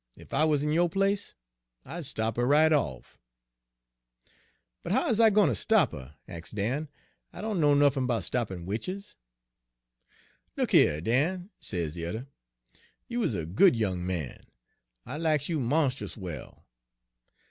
Ef I wuz in yo' place, I'd stop her right off.' " 'But how is I gwine ter stop her?' ax' Dan. 'I dunno nuffin 'bout stoppin' witches.' " 'Look a heah, Dan,' sez de yuther; 'you is a good young man. I lacks you monst'us well.